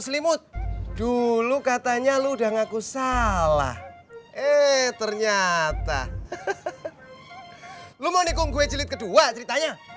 selimut dulu katanya lu udah ngaku salah eh ternyata lu menikung gue jilid kedua ceritanya